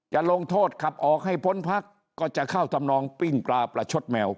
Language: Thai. ลงโทษขับออกให้พ้นพักก็จะเข้าทำนองปิ้งปลาประชดแมว